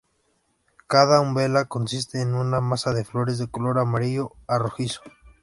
Cada umbela consiste en una masa de flores de color amarillo a rojizo.